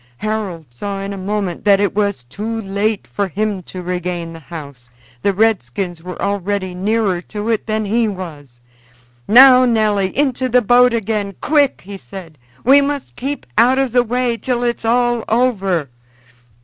Harold saw in a moment that it was too late for him to regain the house; the redskins were already nearer to it than he was. "Now, Nelly! into the boat again quick!" he said. "We must keep out of the way till it's all over."